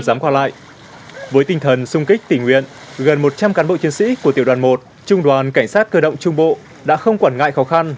gần một trăm linh cán bộ chiến sĩ của tiểu đoàn một trung đoàn cảnh sát cơ động trung bộ đã không quản ngại khó khăn